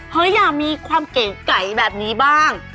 อยากมีความเก๋ไก่แบบนี้บ้าง